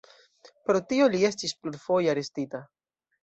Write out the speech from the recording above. Pro tio li estis plurfoje arestita.